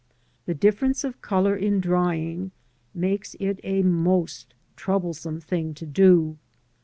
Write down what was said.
The difference of colour in drying makes it a most troublesome thing to do.